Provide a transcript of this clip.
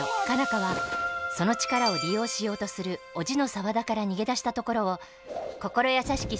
花はその力を利用しようとする叔父の沢田から逃げ出したところを心優しき